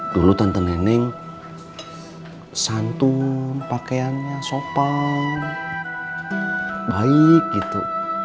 dulu tante neneng santun pakaiannya sopa baik gitu